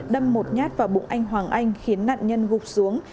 đâm một nhát vào bụng anh hoàng anh khiến nạn nhân gục xuống